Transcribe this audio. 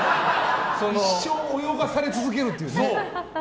一生泳がされ続けるっていうね。